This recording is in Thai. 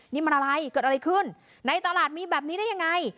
นี่มันอะไรเกิดอะไรขึ้นในตลาดมีแบบนี้ได้ยังไง